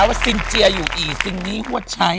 แปลว่าสิ่งเจียอยู่อีสิ่งนี้หวัดใช้